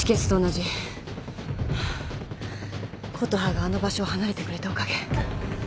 琴葉があの場所を離れてくれたおかげ。